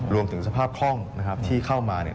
รวมถึงสภาพคล่องที่เข้ามา